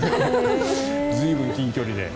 随分、近距離で。